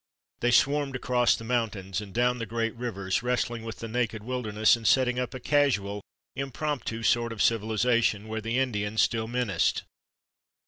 They swarmed across the mountains and down the great rivers, wrestling with the naked wilderness and setting up a casual, impromptu sort of civilization where the Indian still menaced.